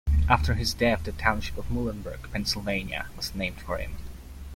After his death, the Township of Muhlenberg, Pennsylvania, was named for him.